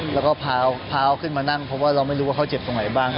แล้วก็พาขึ้นมานั่งเพราะว่าเราไม่รู้ว่าเขาเจ็บตรงไหนบ้าง